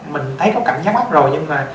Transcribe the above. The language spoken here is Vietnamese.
mình thấy có cảm giác ác rồi nhưng mà